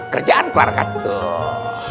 kerjaan keluarkan tuh